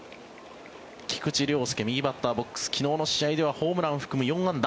菊池涼介、右バッターボックス昨日の試合ではホームランを含む４安打。